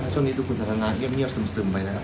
ช่วงนี้ทุกคนสัตว์ธนาเยี่ยมเงียบซึมไปแล้วครับ